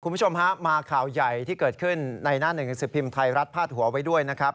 คุณผู้ชมฮะมาข่าวใหญ่ที่เกิดขึ้นในหน้าหนึ่งสิบพิมพ์ไทยรัฐพาดหัวไว้ด้วยนะครับ